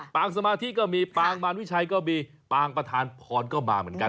สมาธิก็มีปางมารวิชัยก็มีปางประธานพรก็มาเหมือนกัน